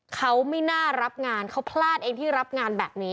เขาไม่น่ารับงานเขาพลาดเองที่รับงานแบบนี้